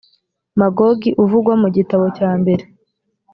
magogi uvugwa mu gitabo cya mbere